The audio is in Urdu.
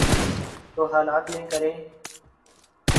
تو حالات میں کریں۔